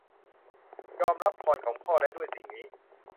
ยอมรับพรของพ่อและด้วยสิ่งนี้